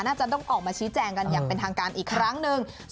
น่าจะต้องออกมาชี้แจงกันอย่างเป็นทางการอีกครั้งหนึ่ง